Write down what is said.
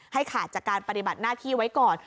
ขาดจากการปฏิบัติหน้าที่ไว้ก่อน